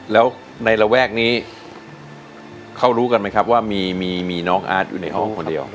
แล้วในระแวกนี้เขารู้กันไหมครับว่ามีน้องอาร์ตอยู่ในห้องคนเดียว